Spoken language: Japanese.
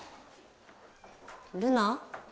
ルナ。